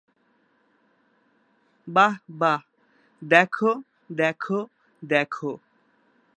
বাহ, বাহ, দেখো, দেখো, দেখো!